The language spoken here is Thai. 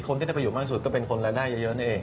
คนที่ได้ประโยชน์มากสุดก็เป็นคนรายได้เยอะนั่นเอง